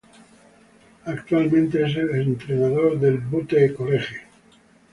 Actualmente es el entrenador del Butte College.